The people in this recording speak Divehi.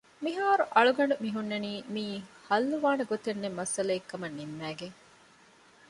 މިހާރު އަޅުގަނޑު މިހުންނަނީ މިޢީ ޙައްލުވާނެ ގޮތެއްނެތް މައްސަލައެއްކަމަށް ނިންމައިގެން